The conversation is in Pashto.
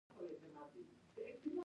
خو داسې نه چې ځان ته زیان ورسوي.